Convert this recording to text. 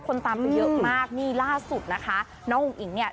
ตามไปเยอะมากนี่ล่าสุดนะคะน้องอุ๋งอิ๋งเนี่ย